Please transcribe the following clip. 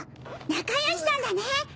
仲良しさんだね！